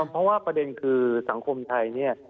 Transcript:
เพราะว่าประเด็นคือสังคมไทยเนี่ย